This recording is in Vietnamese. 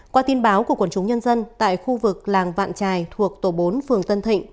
qua tin báo của quần chúng nhân dân tại khu vực làng vạn trài thuộc tổ bốn phường tân thịnh